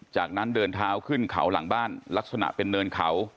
จากนั้นเดินเท้าขึ้นเขาหลังบ้านลักษณะเป็นเนินเขา